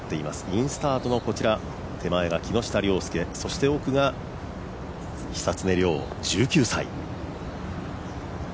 インスタートのこちら、手前が木下稜介そして奥が久常涼、１９歳。